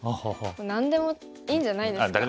何でもいいんじゃないですか。